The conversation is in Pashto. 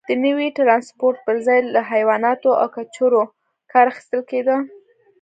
د نوي ټرانسپورت پرځای له حیواناتو او کچرو کار اخیستل کېده.